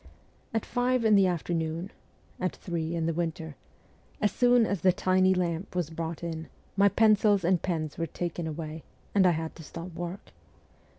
At five in the afternoon at three in the winter as soon as the tiny lamp was brought in, my pencils and pens were taken away, and I had to stop work.